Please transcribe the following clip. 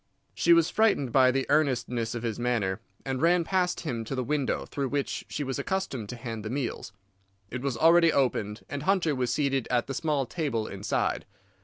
"She was frightened by the earnestness of his manner, and ran past him to the window through which she was accustomed to hand the meals. It was already opened, and Hunter was seated at the small table inside.